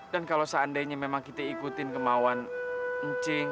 dan kalau seandainya kita ikutin kemauan cing